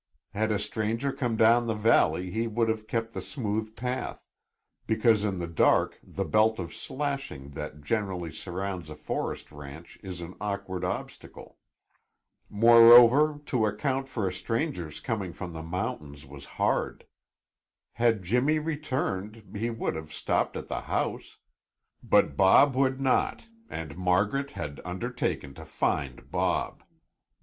Had a stranger come down the valley, he would have kept the smooth path, because in the dark the belt of slashing that generally surrounds a forest ranch is an awkward obstacle. Moreover, to account for a stranger's coming from the mountains was hard. Had Jimmy returned, he would have stopped at the house; but Bob would not and Margaret had undertaken to find Bob.